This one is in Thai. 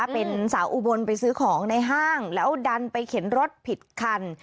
เป็นสาวอุบลไปซื้อของในห้างแล้วดันไปเข็นรถผิดคัน